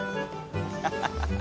ハハハハハ！